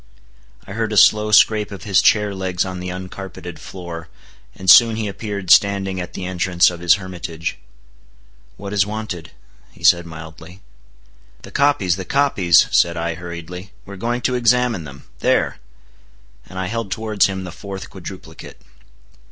I heard a slow scrape of his chair legs on the uncarpeted floor, and soon he appeared standing at the entrance of his hermitage. "What is wanted?" said he mildly. "The copies, the copies," said I hurriedly. "We are going to examine them. There"—and I held towards him the fourth quadruplicate.